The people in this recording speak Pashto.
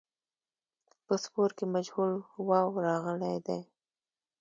په سپور کې مجهول واو راغلی دی.